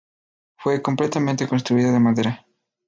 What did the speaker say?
Fue completamente construida de madera.